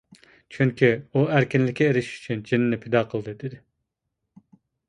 چۈنكى ئۇ ئەركىنلىككە ئېرىشىش ئۈچۈن جېنىنى پىدا قىلدى دېدى.